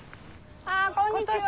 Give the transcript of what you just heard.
あこんにちは。